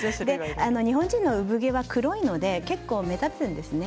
日本人の産毛は黒いので結構目立つんですね。